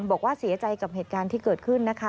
บอกว่าเสียใจกับเหตุการณ์ที่เกิดขึ้นนะคะ